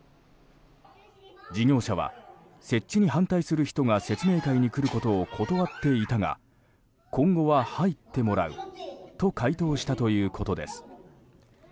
事業者は設置に反対する人が説明会に来ることを断っていたが今後は入ってもらうと回答したということです。